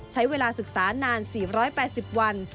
ใช้เวลาศึกษานาน๔๘๐วัน